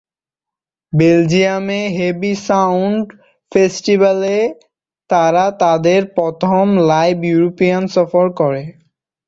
বেলজিয়ামে heavy sound ফেস্টিভ্যালে তারা তাদের প্রথম লাইভ ইউরোপিয়ান সফর করে।